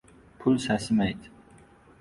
• Pul sasimaydi.